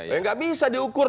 tidak bisa diukur